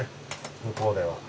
向こうでは。